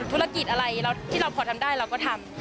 ธุรกิจอะไรที่เราพอทำได้เราก็ทำ